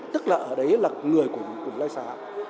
tức là ở đấy là người của lai xá